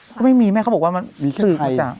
ก็ไม่มีแม่เขาบอกว่ามันตื่นมาจาก